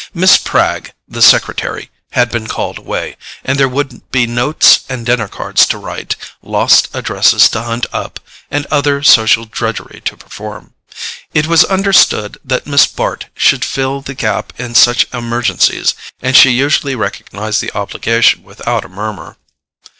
Miss Pragg, the secretary, had been called away, and there would be notes and dinner cards to write, lost addresses to hunt up, and other social drudgery to perform. It was understood that Miss Bart should fill the gap in such emergencies, and she usually recognized the obligation without a murmur.